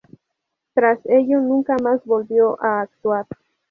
Tras ello, nunca más volvió a actuar.